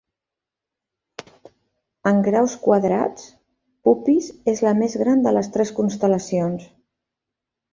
En graus quadrats, Puppis és la més gran de les tres constel·lacions.